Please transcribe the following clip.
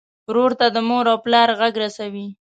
ورور ته د مور او پلار غږ رسوې.